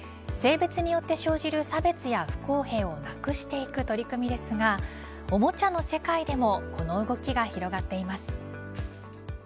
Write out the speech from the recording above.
性別によって生じる差別や不公平をなくしていく取り組みですがおもちゃの世界でもこの動きが広がっています。